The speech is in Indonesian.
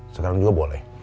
sekarang juga boleh